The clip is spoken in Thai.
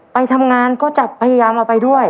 ไปทำงานก็จะพยายามเอาไปด้วย